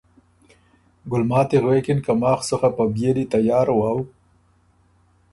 ګُلماتی غوېکِن که ”ماخ سُو خه په بئېلی تیار وؤ